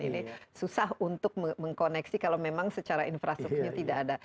ini susah untuk mengkoneksi kalau memang secara infrastrukturnya tidak ada